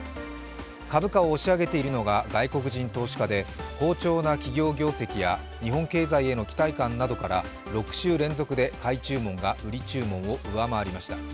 株価を押し上げているのが外国人投資家で、好調な企業業績や日本経済への期待感などから６週連続で買い注文が売り注文を上回りました。